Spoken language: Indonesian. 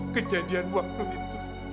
kejadian waktu itu